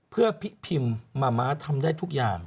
เพื่อพิมพ์มะม้าทำได้ทุกอย่าง